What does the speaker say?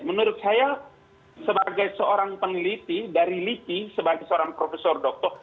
menurut saya sebagai seorang peneliti dari liki sebagai seorang profesor dokter